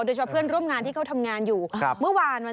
โดยเจ้าเพื่อนร่วมงานที่เขาทำงานอยู่